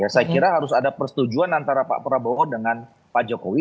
saya kira harus ada persetujuan antara pak prabowo dengan pak jokowi